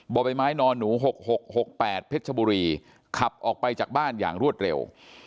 บ่อใบไม้นอนหนู๖๖๖๘เพชรชบุรีขับออกไปจากบ้านอย่างรวดเร็ว